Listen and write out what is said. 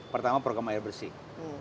pertama program air bersih